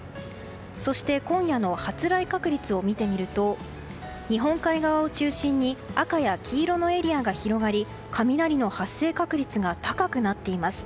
そして今夜の発雷確率を見てみると日本海側を中心に赤や黄色のエリアが広がり雷の発生確率が高くなっています。